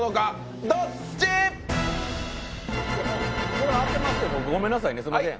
これ当てますよ、ごめんなさいね、すんません。